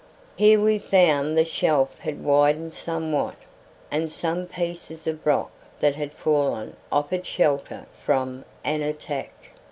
Here we found the shelf had widened somewhat, and some pieces of rock that had fallen offered shelter from an attack.